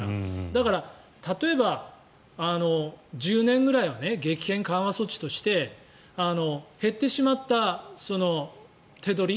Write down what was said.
だから、例えば１０年ぐらいは激変緩和措置として減ってしまった手取り。